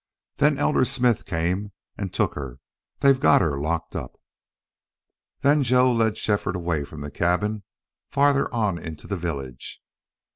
Then Elder Smith come an' took her. They've got her locked up." Then Joe led Shefford away from the cabin farther on into the village.